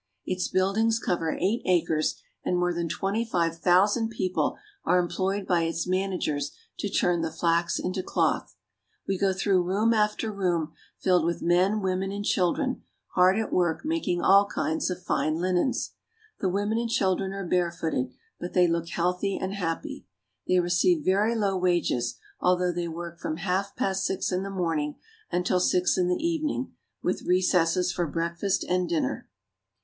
Its buildings cover eight acres, and more than twenty five thousand people are employed by its managers to turn the flax into cloth. We go through room after room filled with men, women, and children, hard at work making all kinds of fine linens. The women and children are barefooted, but they look healthy and happy. They receive very low wages, although they work from half past six in the morning until six in the evening, with recesses for breakfast and dinner.